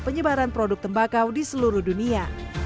penyebaran produk tembakau di seluruh dunia